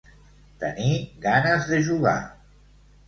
Tenir ganes de jugar.